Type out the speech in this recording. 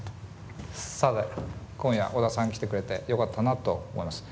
さて今夜小田さん来てくれてよかったなと思います。